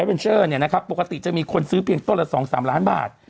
เวนเชอร์เนี่ยนะครับปกติจะมีคนซื้อเพียงต้นละ๒๓ล้านบาท